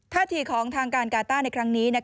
ท่าทีของทางการกาต้าในครั้งนี้